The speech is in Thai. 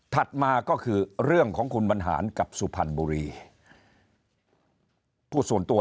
ถัดมาก็คือเรื่องของคุณมันหานกับศุพันบุรีพูดส่วนตัว